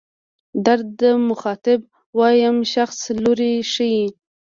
در د مخاطب دویم شخص لوری ښيي.